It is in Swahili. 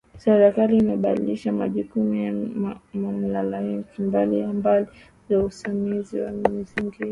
Serikali imebainisha majukumu ya mamlaka mbali mbali za usimamizi wa mazingira